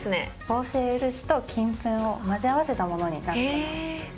合成漆と金粉を混ぜ合わせたものになってます。